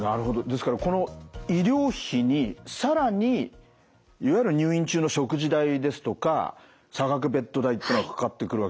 ですからこの医療費に更にいわゆる入院中の食事代ですとか差額ベッド代ってのがかかってくる。